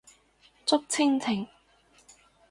竹蜻蜓